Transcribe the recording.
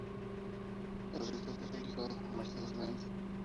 El resto fue realizado por Mercedes-Benz.